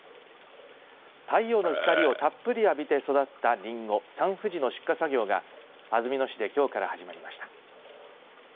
太陽の光をたっぷり浴びて育ったりんごサンふじの出荷作業が安曇野市できょうから始まりました。